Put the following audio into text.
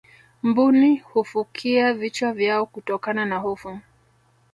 mbuni hufukia vichwa vyao kutokana na hofu